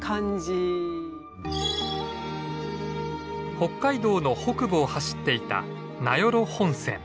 北海道の北部を走っていた名寄本線。